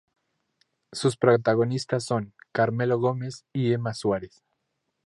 Sus protagonistas son Carmelo Gómez y Emma Suárez.